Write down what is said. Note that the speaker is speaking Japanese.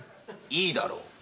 いいだろう。